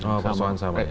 oh sama sama ya